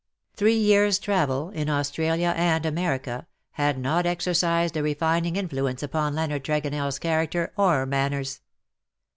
64 Three years' travel, in Australia and America, had not exercised a refining influence upon Leonard TregonelFs character or manners.